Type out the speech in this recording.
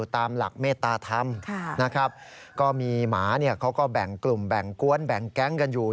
ตามหลักเมตตาธรรมนะครับก็มีหมาเนี่ยเขาก็แบ่งกลุ่มแบ่งกวนแบ่งแก๊งกันอยู่